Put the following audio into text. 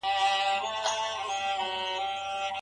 انسان په پرله پسې سپکاوي کي ژوند نه سي کولای.